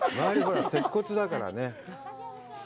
鉄骨だからね。